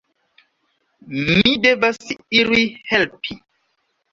Mi devas iri helpi.